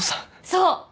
そう！